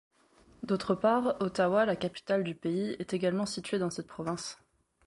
D'autre part, Ottawa, la capitale du pays, est également située dans cette province.